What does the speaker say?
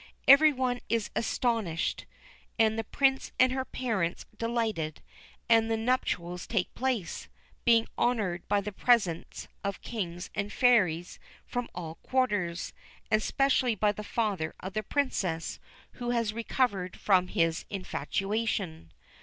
Everybody is astonished, the Prince and his parents delighted, and the nuptials take place, being honoured by the presence of Kings and Fairies from all quarters, and specially by the father of the Princess, who has recovered from his infatuation.